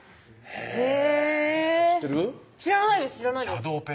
へぇ！